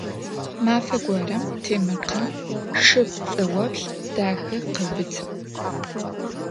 Мафэ горэм Темиркъан шы пцӀэгъоплъ дахэ къыубытыгъ.